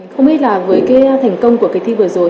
không biết là với cái thành công của cái thi vừa rồi